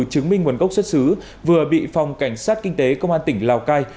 chứng minh nguồn gốc xuất xứ vừa bị phòng cảnh sát kinh tế công an tỉnh lào cai